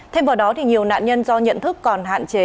thêm vào đó nhiều nạn nhân do nhận thức còn hạn chế